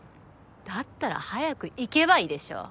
だったら早く行けばいいでしょ！